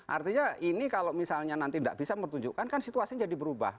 artinya ini kalau misalnya nanti tidak bisa menunjukkan kan situasinya jadi berubah